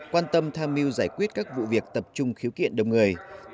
quan tâm tham mưu giải quyết các vụ việc tập trung khiếu kiện đông người